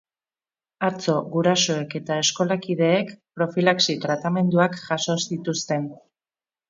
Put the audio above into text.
Atzo gurasoek eta eskolakideek profilaxi tratamenduak jaso zituzten.